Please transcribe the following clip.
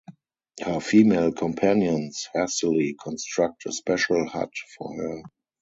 Her female companions hastily construct a special hut for her.